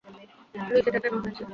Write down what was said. Luis, এটা কেন হয়েছে?